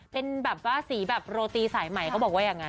เป็นแบบว่าศรีแบบโรตีสายไหมเค้าบอกว่ายังงั้น